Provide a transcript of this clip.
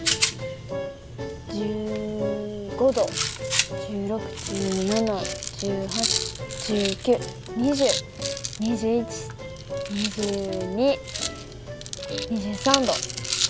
１５度１６１７１８１９２０２１２２２３度２４度。